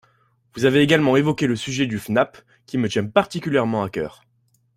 Vous avez également évoqué le sujet du FNAP, qui me tient particulièrement à cœur.